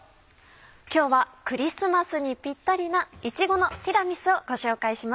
今日はクリスマスにぴったりな「いちごのティラミス」をご紹介します。